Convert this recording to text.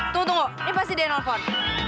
tunggu tunggu ini pasti dia nelfon